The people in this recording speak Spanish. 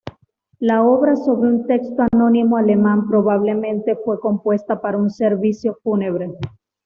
La obra sobre un texto anónimo alemán probablemente fue compuesta para un servicio fúnebre.